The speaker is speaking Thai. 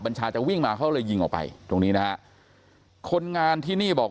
บัญชาจะวิ่งมาเขาเลยยิงออกไปตรงนี้นะฮะคนงานที่นี่บอก